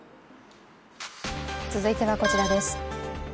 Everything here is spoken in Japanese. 続いてはこちらです。